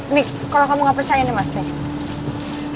nih kalau kamu gak percaya nih mas nih